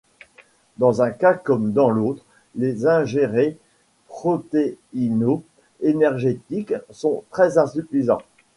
Dans un cas comme dans l’autre, les ingérés protéino-énergétiques sont très insuffisants.